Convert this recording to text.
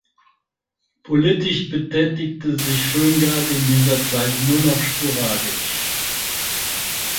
Politisch betätigte sich Schöngarth in dieser Zeit nur noch sporadisch.